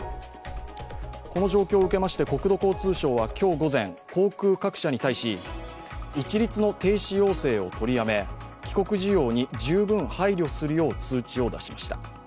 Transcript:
この状況を受けまして国土交通省は今日午前、航空各社に対し一律の停止要請を取りやめ、帰国需要に十分配慮するよう通知を出しました。